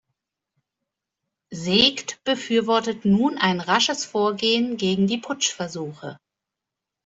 Seeckt befürwortete nun ein rasches Vorgehen gegen die Putschversuche.